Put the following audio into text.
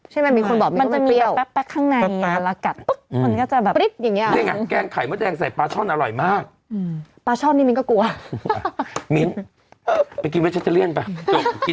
ใช่ไหมมีคนบอกมาว่ามันเปรี้ยว